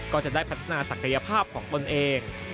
ก็จะได้พัฒนาศักยภาพของตนเอง